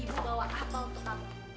ibu bawa apa untuk kamu